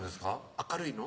明るいの？